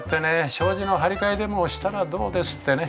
障子の張り替えでもしたらどうです？ってね。